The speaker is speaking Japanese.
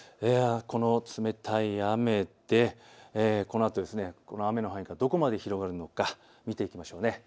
この冷たい雨でこのあとこの雨の範囲がどこまで広がるか見ていきましょう。